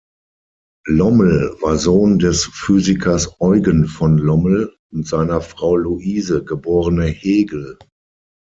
Lommel war Sohn des Physikers Eugen von Lommel und seiner Frau Luise, geborene Hegel.